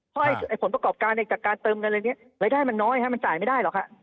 เพราะผลประกอบการจากการเติมเงินอะไรนี้รายได้มันน้อยมันจ่ายไม่ได้หรอกค่ะ